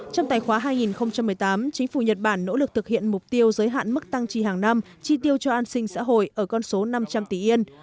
trong tài khoá hai nghìn một mươi tám chính phủ nhật bản nỗ lực thực hiện mục tiêu giới hạn mức tăng tri hàng năm chi tiêu cho an sinh xã hội ở con số năm trăm linh tỷ yên